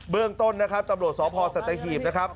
เบื้องต้นตำรวจสอพสัตยาหีบ